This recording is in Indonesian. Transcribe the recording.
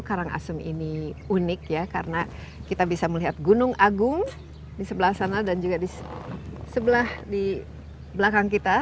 karangasem ini unik ya karena kita bisa melihat gunung agung di sebelah sana dan juga di sebelah di belakang kita